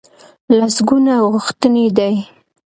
لسګونه غوښتنې دي.